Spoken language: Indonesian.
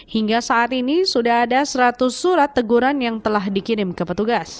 hingga saat ini sudah ada seratus surat teguran yang telah dikirim ke petugas